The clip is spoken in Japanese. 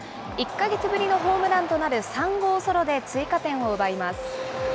１か月ぶりのホームランとなる３号ソロで追加点を奪います。